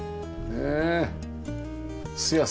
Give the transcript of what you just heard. ねえ。